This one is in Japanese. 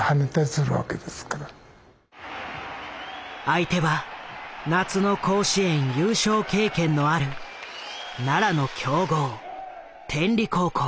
相手は夏の甲子園優勝経験のある奈良の強豪天理高校。